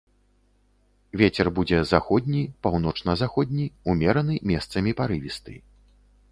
Вецер будзе заходні, паўночна-заходні, умераны, месцамі парывісты.